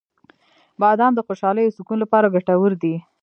• بادام د خوشحالۍ او سکون لپاره ګټور دي.